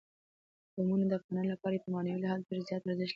قومونه د افغانانو لپاره په معنوي لحاظ ډېر زیات ارزښت لري.